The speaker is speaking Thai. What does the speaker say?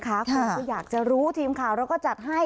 เขาก็อยากจะรู้ทีมคาวแล้วก็จัดให้